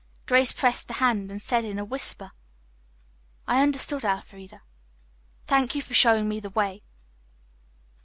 Grace pressed the hand and said in a whisper: "I understood, Elfreda. Thank you for showing me the way."